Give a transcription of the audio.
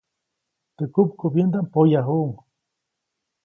Teʼ kupkubyändaʼm poyajuʼuŋ.